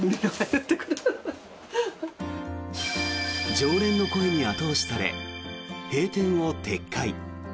常連の声に後押しされ閉店を撤回。